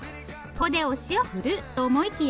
ここでお塩を振ると思いきや。